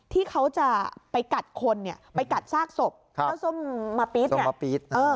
ที่เขาจะไปกัดคนเนี่ยไปกัดชากศพเจ้าสมมะปี๊ดเนี่ย